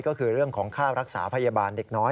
ก็คือเรื่องของค่ารักษาพยาบาลเด็กน้อย